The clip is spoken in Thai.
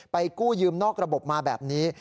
กู้ยืมนอกระบบมาแบบนี้